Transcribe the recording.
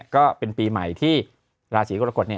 ก็เป็นปีใหม่ที่ราศีกรกฎ